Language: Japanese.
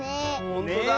ほんとだ！